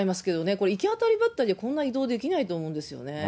これ、行き当たりばったりでこんな移動できないと思うんですよね。